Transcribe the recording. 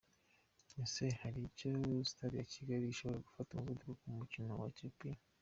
Ese hari icyo sitade ya Kigali ishobora gufasha Amavubi ku mukino wa Ethiopia?.